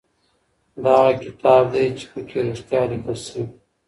دا هغه کتاب دی چي په کي رښتیا لیکل سوي.